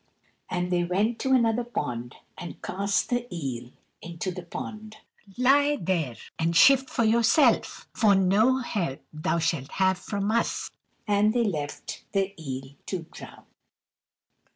And they went to another pond, and cast the eel into the pond. "Lie there and shift for yourself, for no help thou shalt have from us;" and they left the eel to drown.